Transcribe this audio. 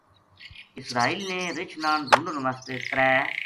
اسرائیل نے رِچھ نا ڈھُونڈن واسطے ترے